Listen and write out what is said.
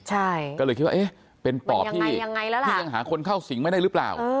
ใช่ก็เลยคิดว่าเอ๊ะเป็นปอบที่ยังหาคนเข้าสิงไม่ได้หรือเปล่า